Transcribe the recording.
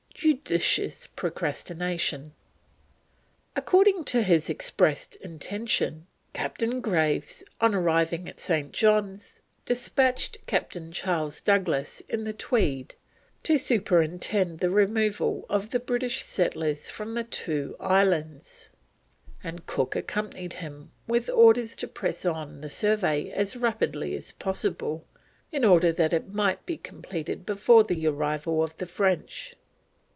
JUDICIOUS PROCRASTINATION. According to his expressed intention, Captain Graves, on arriving at St. John's, despatched Captain Charles Douglas in the Tweed to superintend the removal of the British settlers from the two islands, and Cook accompanied him with orders to press on the survey as rapidly as possible in order that it might be completed before the arrival of the French.